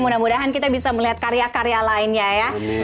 mudah mudahan kita bisa melihat karya karya lainnya ya